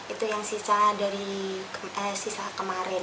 itu yang sisa dari sisa kemarin